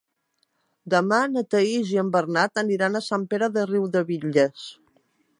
Demà na Thaís i en Bernat aniran a Sant Pere de Riudebitlles.